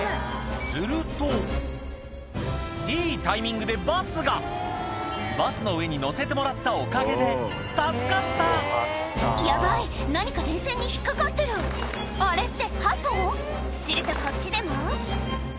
するといいタイミングでバスがバスの上に乗せてもらったおかげで助かったヤバい何か電線に引っかかってるあれってハト？